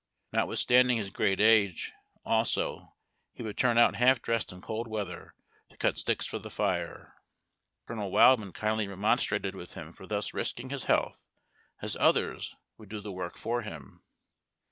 Notwithstanding his great age, also, he would turn out half dressed in cold weather to cut sticks for the fire. Colonel Wildman kindly remonstrated with him for thus risking his health, as others would do the work for him.